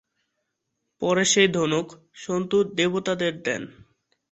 পরে সেই ধনুক শম্ভু দেবতাদের দেন।